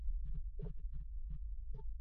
地方民间放送共同制作协议会。